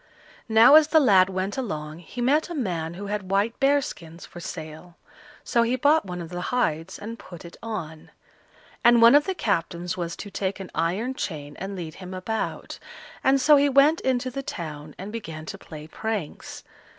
Now as the lad went along he met a man who had white bear skins for sale, so he bought one of the hides and put it on; and one of the captains was to take an iron chain and lead him about, and so he went into the town and began to play pranks.